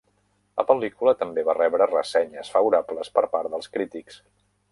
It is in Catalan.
La pel·lícula també va rebre ressenyes favorables per part dels crítics.